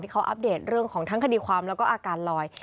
เขาอัปเดตเรื่องของทั้งคดีความแล้วก็อาการลอย